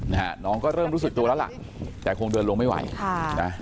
นะฮะน้องก็เริ่มรู้สึกตัวแล้วล่ะแต่คงเดินลงไม่ไหวค่ะนะ